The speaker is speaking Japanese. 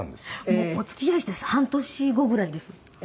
もうお付き合いして半年後ぐらいです。